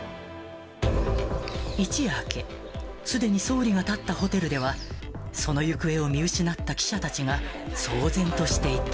一夜明け、すでに総理がたったホテルでは、その行方を見失った記者たちが騒